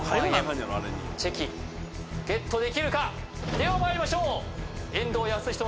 ではまいりましょう！